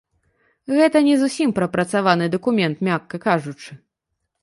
Гэта не зусім прапрацаваны дакумент, мякка кажучы.